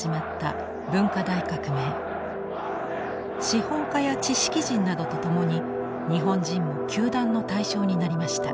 資本家や知識人などと共に日本人も糾弾の対象になりました。